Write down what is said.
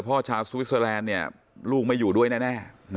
พ่อชาวสวิสเซอแลนด์เนี้ยลูกไม่อยู่ด้วยแน่แน่นะฮะ